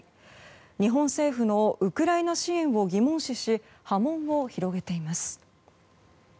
日本政府のウクライナ支援を疑問視し波紋を広げています。